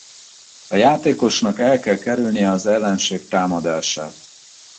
A játékosnak el kell kerülnie az ellenség támadását.